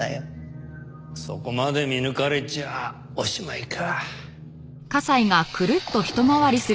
そこまで見抜かれちゃおしまいか。